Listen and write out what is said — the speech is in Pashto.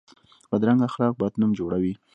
بدرنګه اخلاق بد نوم جوړوي